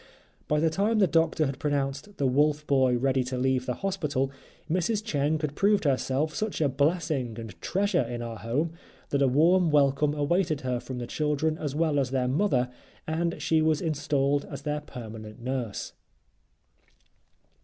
By the time the doctor had pronounced the "Wolf Boy" ready to leave the hospital, Mrs. Cheng had proved herself such a blessing and "treasure" in our home that a warm welcome awaited her from the children as well as their mother and she was installed as their permanent nurse.